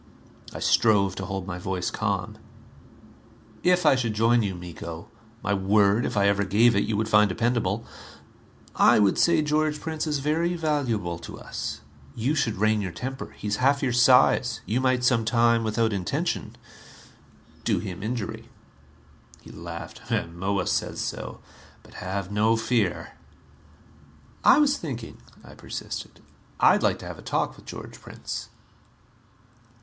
I strove to hold my voice calm. "If I should join you, Miko my word, if I ever gave it, you would find dependable I would say George Prince is very valuable to us. You should rein your temper. He is half your size you might some time, without intention, do him injury." He laughed. "Moa says so. But have no fear " "I was thinking," I persisted. "I'd like to have a talk with George Prince."